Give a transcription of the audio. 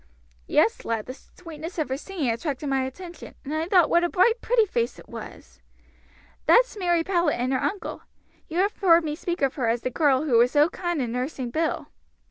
"Yes, lad, the sweetness of her singing attracted my attention, and I thought what a bright, pretty face it was!" "That's Mary Powlett and her uncle. You have heard me speak of her as the girl who was so kind in nursing Bill."